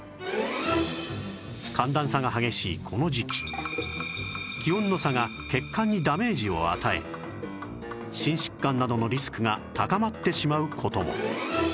寒暖差が激しいこの時期気温の差が血管にダメージを与え心疾患などのリスクが高まってしまう事も